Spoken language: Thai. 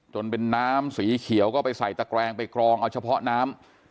จนเป็นน้ำสีเขียวก็ไปใส่ตะแกรงไปกรองเอาเฉพาะน้ำ